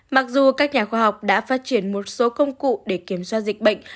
mặc dù các nhà khoa học đã phát triển một số công cụ để kiểm soát dịch bệnh